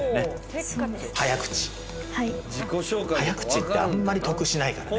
そうですねはい早口ってあんまり得しないからね